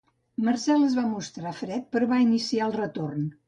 Marcel es va mostrar fred però va iniciar el retorn.